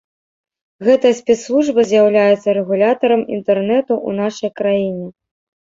Гэтая спецслужба з'яўляецца рэгулятарам інтэрнэту ў нашай краіне.